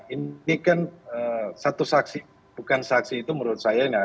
ini kan satu saksi bukan saksi itu menurut saya